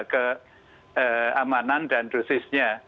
keamanan dan dosisnya